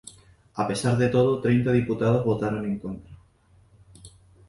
A pesar de todo treinta diputados votaron en contra.